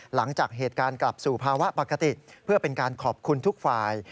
หลังจากเหตุการณ์กลับสู่ภาวะปกติเพื่อเป็นการขอบคุณทุกฝ่าย